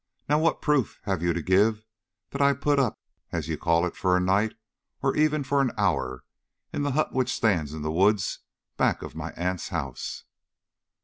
Now, what proof have you to give that I put up, as you call it, for a night, or even for an hour, in the hut which stands in the woods back of my aunt's house?"